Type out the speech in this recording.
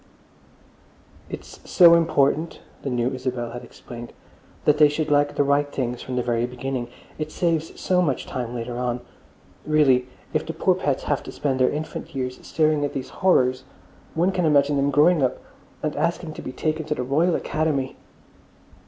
"It's so important," the new Isabel had explained, "that they should like the right things from the very beginning. It saves so much time later on. Really, if the poor pets have to spend their infant years staring at these horrors, one can imagine them growing up and asking to be taken to the Royal Academy."